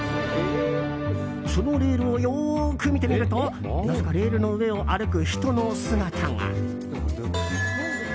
そのレールをよく見てみるとなぜかレールの上を歩く人の姿が。